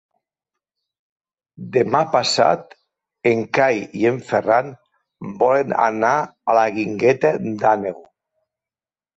Demà passat en Cai i en Ferran volen anar a la Guingueta d'Àneu.